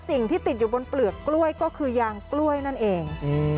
สิ่งที่ติดอยู่บนเปลือกกล้วยก็คือยางกล้วยนั่นเอง